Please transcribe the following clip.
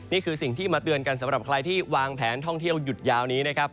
นี่คือสิ่งที่มาเตือนกันสำหรับใครที่วางแผนท่องเที่ยวหยุดยาวนี้นะครับ